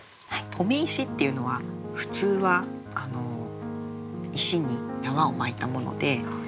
留め石っていうのは普通は石に縄を巻いたもので透明じゃない。